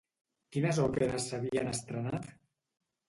Quines òperes s'havien estrenat?